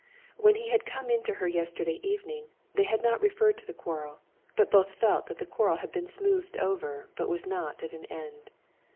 When he had come in to her yesterday evening, they had not referred to the quarrel, but both felt that the quarrel had been smoothed over, but was not at an end.